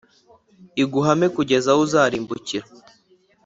iguhame kugeza aho uzarimbukira.